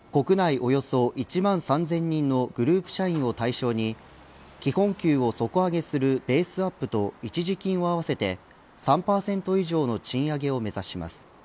およそ１万３０００人のグループ社員を対象に基本給を底上げするベースアップと一時金を合わせて３％以上の賃上げを目指します。